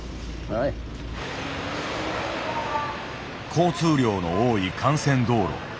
交通量の多い幹線道路。